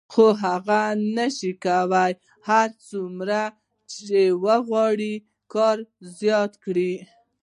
خو هغه نشي کولای هر څومره چې وغواړي کار زیات کړي